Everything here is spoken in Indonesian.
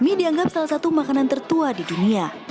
mie dianggap salah satu makanan tertua di dunia